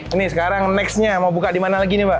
ini sekarang nextnya mau buka di mana lagi nih mbak